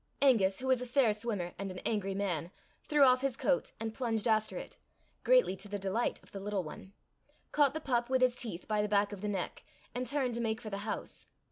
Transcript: Angus, who was a fair swimmer and an angry man, threw off his coat, and plunged after it, greatly to the delight of the little one, caught the pup with his teeth by the back of the neck, and turned to make for the house.